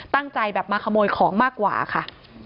ตั้งใจแบบมาขโมยของมากกว่าค่ะ